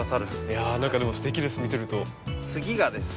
いやあ何かでもすてきです見てると。次がですね